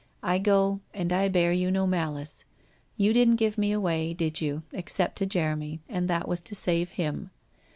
I go, and I bear you no malice. You didn't give me away, did you, except to Jeremy, and that was to save him.